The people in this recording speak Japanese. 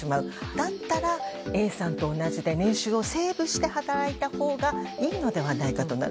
だったら、Ａさんと同じで年収をセーブして働いたほうがいいのではないかとなる。